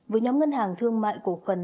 với nhóm ngân hàng thương mại cổ phần